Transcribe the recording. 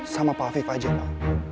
sama pak afif aja lah